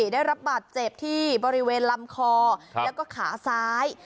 ได้รับบาดเจ็บที่บริเวณลำคอแล้วก็ขาซ้าย